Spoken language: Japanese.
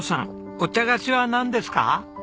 お茶菓子はなんですか？